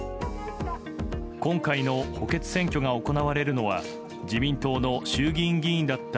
今回の補欠選挙が行われるのは自民党の衆議院議員だった